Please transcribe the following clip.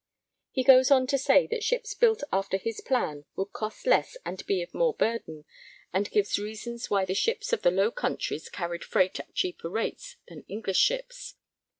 He goes on to say that ships built after his plan would cost less and be of more burden, and gives reasons why the ships of the Low Countries carried freight at cheaper rates than English ships.